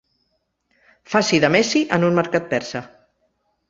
Faci de Messi en un mercat persa.